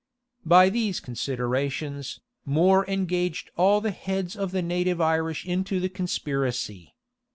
[*] By these considerations, More engaged all the heads of the native Irish into the conspiracy.